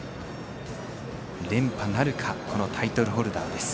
連覇なるかタイトルホルダーです。